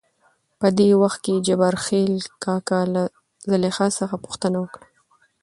.په دې وخت کې جبارکاکا له زليخا څخه پوښتنه وکړ.